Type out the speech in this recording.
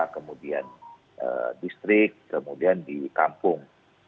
kemudian distrik kemudian di kampung